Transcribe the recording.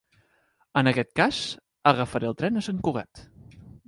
En aquest cas, agafaré el tren a Sant Cugat.